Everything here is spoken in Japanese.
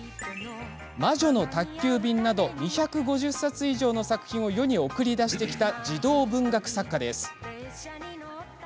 「魔女の宅急便」など２５０冊以上の作品を世に送り出してきた児童文学作家です。